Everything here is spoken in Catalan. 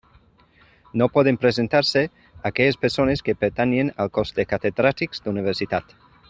No poden presentar-se aquelles persones que pertanyin al cos de Catedràtics d'Universitat.